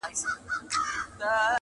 پلار او مور یې په قاضي باندي نازېږي.